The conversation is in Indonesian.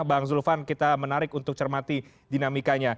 bang zulfan kita menarik untuk cermati dinamikanya